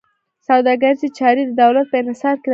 سوداګریزې چارې د دولت په انحصار کې راوستې وې.